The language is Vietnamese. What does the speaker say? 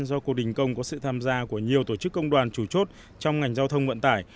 do cuộc đình công có sự tham gia của nhiều tổ chức công đoàn chủ chốt trong ngành giao thông vận tải